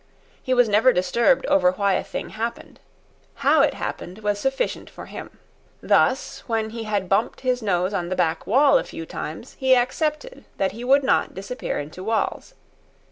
He was never disturbed over why a thing happened. How it happened was sufficient for him. Thus, when he had bumped his nose on the back wall a few times, he accepted that he would not disappear into walls.